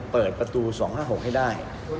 เปิดประตู๒๕๖ให้ได้